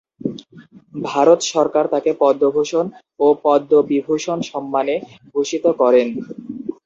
ভারত সরকার তাকে পদ্মভূষণ ও পদ্মবিভূষণ সম্মানে ভূষিত করেন।